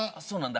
そう